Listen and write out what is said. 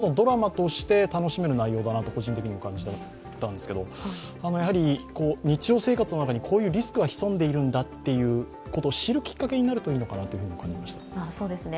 ＹｏｕＴｕｂｅで簡単に見られますし１つのドラマとして楽しめる内容だなと個人亭にも感じたんですが日常生活の中にこういうリスクが潜んでいるんだということを知るきっかけになるといいのかなと思います。